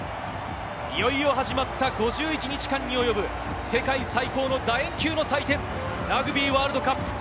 いよいよ始まった５１日間に及ぶ世界最高の楕円球の祭典ラグビーワールドカップ。